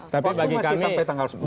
tapi masih sampai tanggal sepuluh